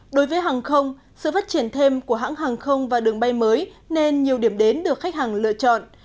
đối với hàng không sự phát triển thêm của hãng hàng không và đường bay mới nên nhiều điểm đến được khách hàng lựa chọn